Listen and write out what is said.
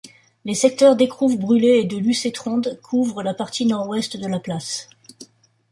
Les secteurs d'Écrouves-Bruley et de Lucey-Trondes couvrent la partie nord-ouest de la place.